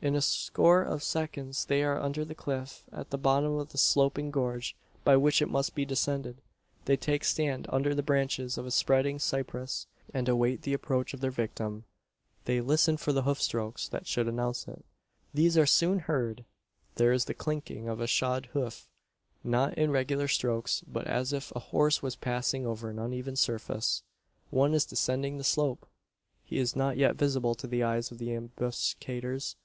In a score of seconds they are under the cliff, at the bottom of the sloping gorge by which it must be descended. They take stand under the branches of a spreading cypress; and await the approach of their victim. They listen for the hoofstrokes that should announce it. These are soon heard. There is the clinking of a shod hoof not in regular strokes, but as if a horse was passing over an uneven surface. One is descending the slope! He is not yet visible to the eyes of the ambuscaders.